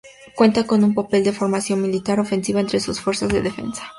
Cuenta con un papel de formación militar ofensiva entre sus Fuerzas de Defensa.